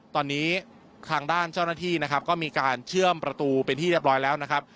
ตอนนี้ทางด้านเจ้าหน้าที่นะครับก็มีการเชื่อมประตูเป็นที่เรียบร้อยแล้วนะครับ